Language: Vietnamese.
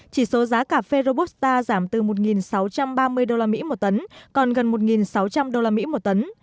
chỉ số giá cà phê robusta giảm từ một sáu trăm ba mươi đô la mỹ một tấn còn gần một sáu trăm linh đô la mỹ một tấn